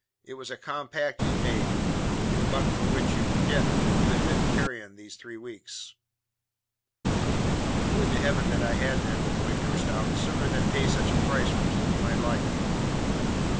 It was a compact you made, and but for which, you forget that you had been carrion these three weeks." "Would to Heaven that I had been," the boy burst out, "sooner than pay such a price for keeping my life!"